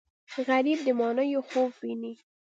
غریب د ماڼیو خوب ویني